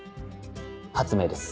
発明です。